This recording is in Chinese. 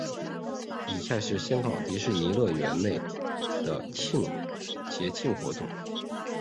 以下是香港迪士尼乐园内的节庆活动。